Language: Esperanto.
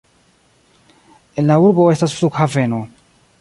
En la urbo estas flughaveno.